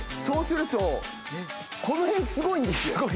そうするとこの辺すごいんですよ。